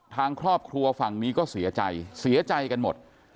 ทางครอบครัวฝั่งนี้ก็เสียใจเสียใจกันหมด